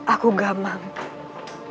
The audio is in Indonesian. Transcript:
aku gak mati